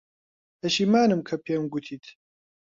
پەشیمانم کە پێم گوتیت.